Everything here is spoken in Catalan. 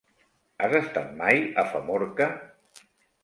Has estat mai a Famorca?